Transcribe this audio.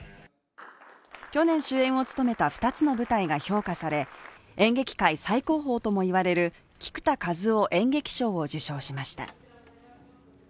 去年主演を務めた２つの舞台が評価され演劇界最高峰ともいわれる菊田一夫演劇賞を受賞しました。